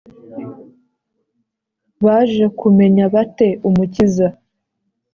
Baje kumenya bate Umukiza?